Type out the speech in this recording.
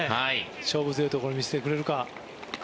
勝負強いところを見せてくれるか。